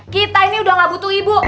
kita ini udah gak butuh ibu